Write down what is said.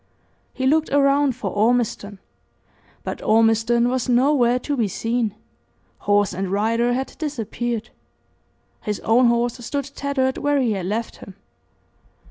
He looked around for Ormiston; but Ormiston was nowhere to be seen horse and rider had disappeared. His own horse stood tethered where he had left him.